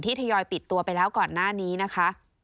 ทยอยปิดตัวไปแล้วก่อนหน้านี้นะคะ